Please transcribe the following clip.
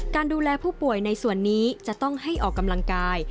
การดูแลผู้ป่วยในส่วนนี้จะต้องให้ออกกำลังกาย